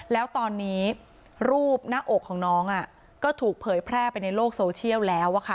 แล้วตอนนี้รูปหน้าอกของน้องก็ถูกเผยแพร่ไปในโลกโซเชียลแล้ว